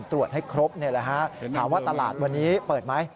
ตรวจให้ครบเนี่ยแหละฮะถามว่าตลาดวันนี้เปิดไหม